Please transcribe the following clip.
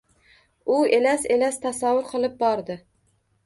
U elas-elas tasavvur qilib bordi.